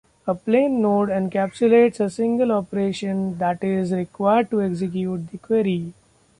A plan node encapsulates a single operation that is required to execute the query.